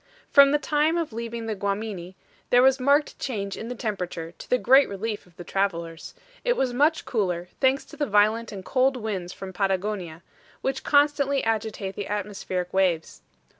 From the time of leaving the Guamini, there was marked change in the temperature, to the great relief of the travelers. It was much cooler, thanks to the violent and cold winds from Patagonia, which constantly agitate the atmospheric waves.